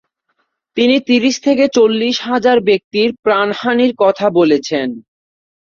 তিনি ত্রিশ থেকে চল্লিশ হাজার ব্যক্তির প্রাণহানির কথা বলেছেন।